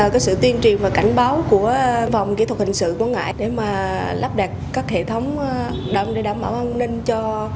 có sự tuyên truyền và cảnh báo của phòng kỹ thuật hình sự quảng ngãi để lắp đặt các hệ thống đảm bảo an ninh